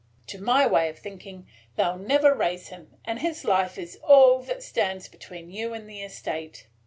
To my way of thinking, they 'll never raise him; and his life is all that stands between you and the estate.